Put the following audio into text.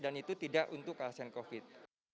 dan itu tidak untuk pasien covid